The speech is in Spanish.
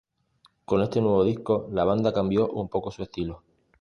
Con este nuevo disco la banda cambió un poco su estilo.